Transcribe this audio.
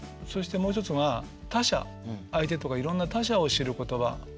そしてもう一つが他者相手とかいろんな他者を知る言葉。